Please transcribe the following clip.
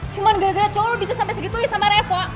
cuma gara gara cowok lo bisa sampai segitu ya sama reva